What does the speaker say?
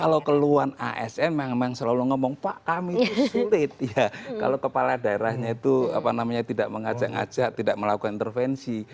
kalau keluhan asn memang selalu ngomong pak kami sulit ya kalau kepala daerahnya itu apa namanya tidak mengajak ajak tidak melakukan intervensi